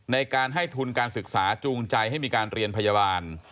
ในการให้ทุนการศึกษาจูงใจให้มีการเรียนพยาบาล